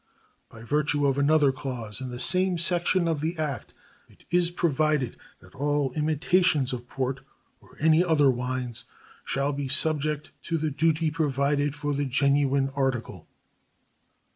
By virtue of another clause in the same section of the act it is provided that all imitations of port or any other wines "shall be subject to the duty provided for the genuine article."